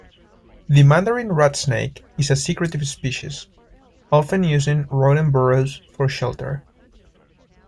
The Mandarin rat snake is a secretive species, often using rodent burrows for shelter.